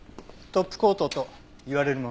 トップコート？